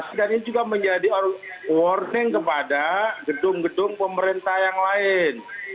ini juga menjadi warning kepada gedung gedung pemerintah yang lain